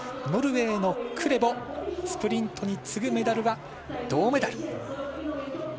ノルウェーのクレボスプリントに次ぐメダルは銅メダル。